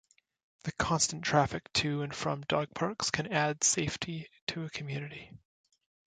The constant traffic to and from dog parks can add safety to a community.